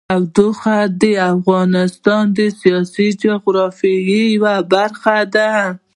تودوخه د افغانستان د سیاسي جغرافیه یوه برخه ده.